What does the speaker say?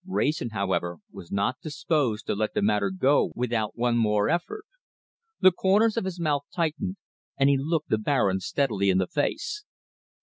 Wrayson, however, was not disposed to let the matter go without one more effort. The corners of his mouth tightened, and he looked the Baron steadily in the face.